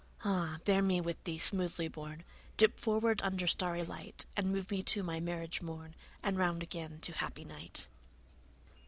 Ah, bear me with thee, smoothly borne, Dip forward under starry light, And move me to my marriage morn, And round again to happy night.